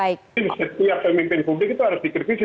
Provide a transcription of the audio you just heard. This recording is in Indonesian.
ini setiap pemimpin publik itu harus dikritisi